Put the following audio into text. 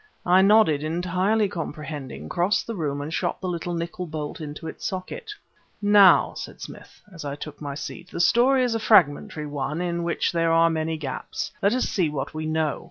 I nodded, entirely comprehending, crossed the room and shot the little nickel bolt into its socket. "Now," said Smith as I took my seat, "the story is a fragmentary one in which there are many gaps. Let us see what we know.